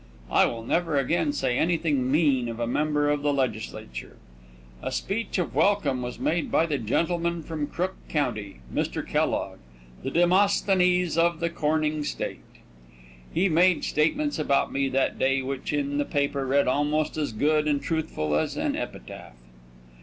I will never again say anything mean of a member of the legislature. A speech of welcome was made by the gentleman from Crook county, Mr. Kellogg, the Demosthenes of the coming state. He made statements about me that day which in the paper read almost as good and truthful as an epitaph.